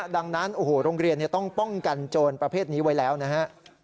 ดังนั้นโอ้โหโรงเรียนต้องป้องกันโจรประเภทนี้ไว้แล้วนะฮะ